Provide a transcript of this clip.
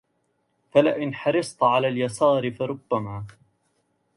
فلئن حرصت على اليسار فربما